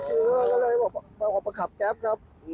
ก็เลยออกมาขับแก๊ปครับ